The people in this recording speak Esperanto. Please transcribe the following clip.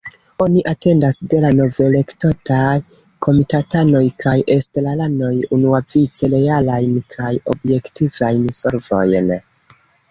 Oni atendas de la novelektotaj komitatanoj kaj estraranoj unuavice realajn kaj objektivajn solvojn.